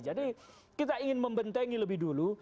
jadi kita ingin membentengi lebih dulu